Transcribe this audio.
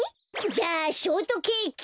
じゃあショートケーキ。